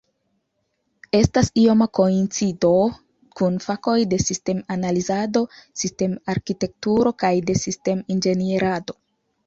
Estas ioma koincido kun fakoj de sistem-analizado, sistem-arkitekturo kaj de sistem-inĝenierado.